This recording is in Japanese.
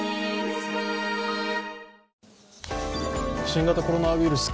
新型コロナウイルス